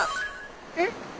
えっ？